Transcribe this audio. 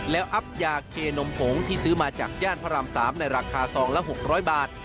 แล้วอัพยาเคนมผงที่ซื้อมาจากย่านพระราม๓ในราคาซองละ๖๐๐บาท